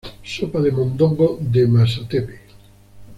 Sopa de mondongo de masatepe.